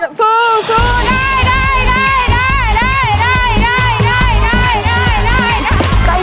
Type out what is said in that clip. สู้สู้ได้